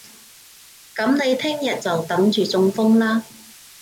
噉你聽日就等住中風啦